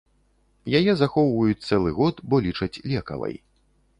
Яе захоўваюць цэлы год, бо лічаць лекавай.